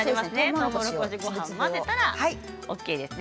とうもろこしごはん混ぜたらＯＫですね。